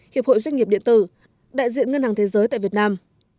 hiệp hội doanh nghiệp điện tử đại diện ngân hàng thế giới tại việt nam